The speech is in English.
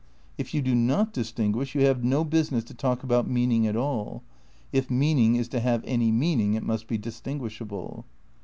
If you do not distinguish you> have no business to talk about meaning at aU. (If meaning is to have any meaning it must be distinguish able.)